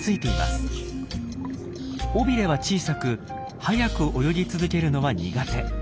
尾ビレは小さく速く泳ぎ続けるのは苦手。